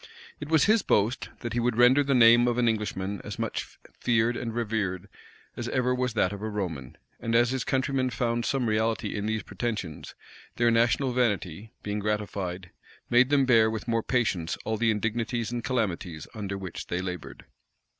It was his boast, that he would render the name of an Englishman as much feared and revered as ever was that of a Roman; and as his countrymen found some reality in these pretensions, their national vanity, being gratified, made them bear with more patience all the indignities and calamities under which they labored.